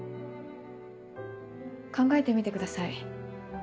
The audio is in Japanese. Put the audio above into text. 考えてみてください。